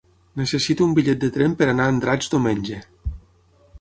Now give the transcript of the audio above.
Necessito un bitllet de tren per anar a Andratx diumenge.